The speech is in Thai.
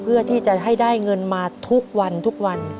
เพื่อที่จะให้ได้เงินมาทุกวันทุกวัน